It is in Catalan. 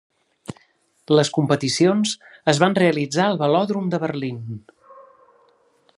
Les competicions es van realitzar al Velòdrom de Berlín.